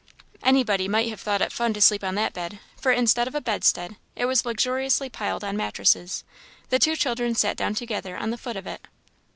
Anybody might have thought it fun to sleep on that bed, for, instead of a bedstead, it was luxuriously piled on mattresses. The two children sat down together on the foot of it.